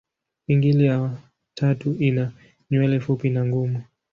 Pingili ya tatu ina nywele fupi na ngumu.